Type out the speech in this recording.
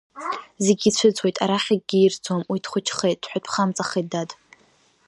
Зегьы ицәыӡуеит, арахь акгьы ирӡуам, уи дхәыҷхеит, дҳәатәхамҵахеит, дад.